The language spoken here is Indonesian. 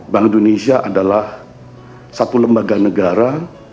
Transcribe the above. bank indonesia adalah satu lembaga negara